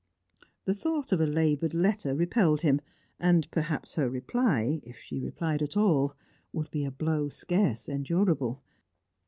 The thought of a laboured letter repelled him, and perhaps her reply if she replied at all would be a blow scarce endurable.